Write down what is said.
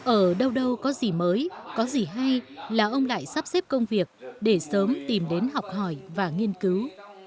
ở đâu đâu có gì mới có gì hay là ông lại sắp xếp công việc để sớm tìm đến học hỏi và nghiên cứu